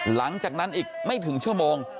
หลังจากนั้นอีกไม่ถึงชั่วโมง